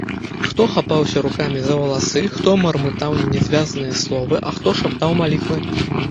Хто хапаўся рукамі за валасы, хто мармытаў нязвязныя словы, а хто шаптаў малітвы.